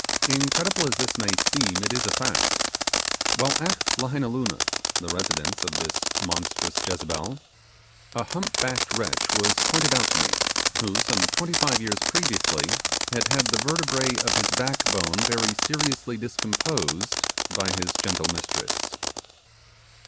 Incredible as this may seem, it is a fact. While at Lahainaluna the residence of this monstrous Jezebel a humpbacked wretch was pointed out to me, who, some twenty five years previously, had had the vertebrae of his backbone very seriously discomposed by his gentle mistress.